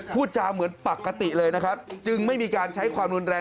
พูดจาเหมือนปกติเลยนะครับจึงไม่มีการใช้ความรุนแรง